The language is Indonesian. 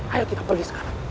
ayo kita pergi sekarang